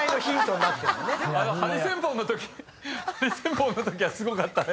あのハリセンボンのときハリセンボンのときはすごかったね。